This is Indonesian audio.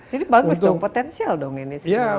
jadi bagus dong potensial dong ini